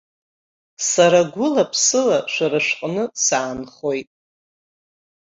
Сара гәыла-ԥсыла шәара шәҟны саанхоит.